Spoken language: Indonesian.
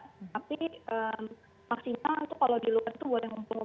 tapi maksimal kalau di luar itu boleh memperbaiki